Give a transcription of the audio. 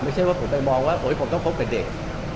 ไม่ใช่ว่าผมไปมองว่าผมต้องคบกับเด็ก